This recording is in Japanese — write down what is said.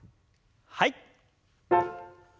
はい。